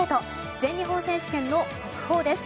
全日本選手権の速報です。